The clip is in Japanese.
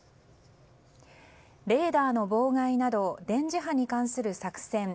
レーダーの妨害など電磁波に関する作戦